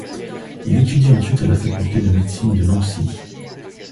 Il étudie ensuite à la faculté de médecine de Nancy.